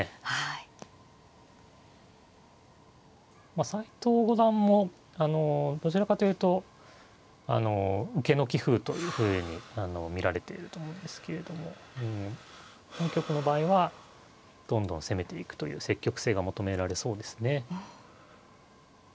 まあ斎藤五段もどちらかというと受けの棋風というふうに見られてると思うんですけれども本局の場合はどんどん攻めていくという積極性が求められそうですね。